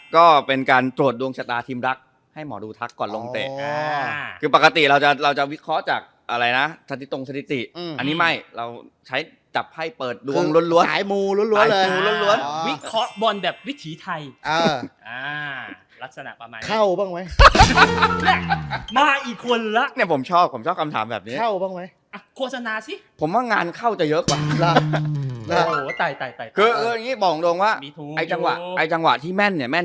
ก็เป็นการตรวจดวงชะตาทีมรักให้หมอดูทักก่อนลงเตะอ่าคือปกติเราจะเราจะวิเคราะห์จากอะไรนะสติตรงสติติอืมอันนี้ไม่เราใช้จับให้เปิดดูหายมูล้วนล้วนเลยหายดูล้วนล้วนอ่าวิเคราะห์บอลแบบวิถีไทยอ่าอ่าลักษณะประมาณนี้เข้าบ้างไหมมาอีกคนละเนี่ยผมชอบผมชอบคำถามแบบน